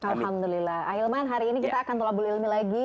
alhamdulillah hilman hari ini kita akan telah berilmi lagi